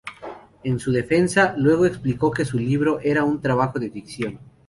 En su defensa, luego explicó que su libro era un trabajo de ficción.